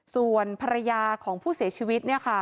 ส่วนภรรยาของผู้เสียชีวิต